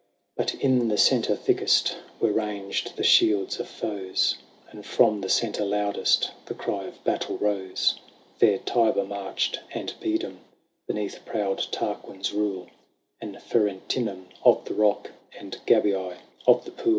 But in the centre thickest Were ranged the shields of foes, And from the centre loudest The cry of battle rose. There Tibur marched and Pedum Beneath proud Tarquin's rule, And Ferentinum of the rock. And Gabii of the pool.